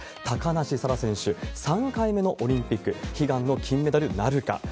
高梨沙羅選手、３回目のオリンピック、悲願の金メダルなるか。